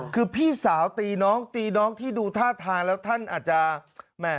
คือพี่สาวตีน้องตีน้องที่ดูท่าทางแล้วท่านอาจจะแหม่